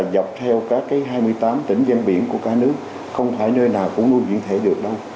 dọc theo các hai mươi tám tỉnh dân biển của cả nước không phải nơi nào cũng nuôi viễn thể được đâu